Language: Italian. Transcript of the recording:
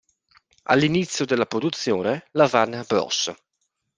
All'inizio della produzione, la Warner Bros.